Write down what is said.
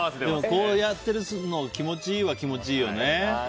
こうやったりするの気持ちいいは気持ちいよね。